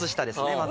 まず。